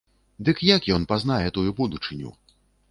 Дык як ён пазнае тую будучыню?